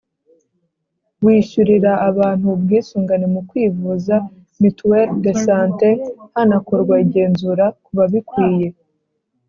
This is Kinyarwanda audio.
Wishyurira abantu ubwisungane mu kwivuza [mutuelle de sante] hanakorwa igenzura kubabikwiye